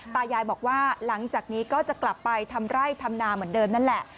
ตายายบอกว่าหลังจากนี้ก็จะกลับไปทำไร่ทำนาเหมือนเดิมนั่นแหละ